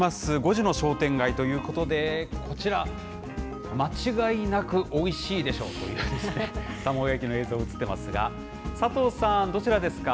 ５時の商店街ということで、こちら、間違いなくおいしいでしょうというね、卵焼きの映像が映ってますが、佐藤さん、どちらですか？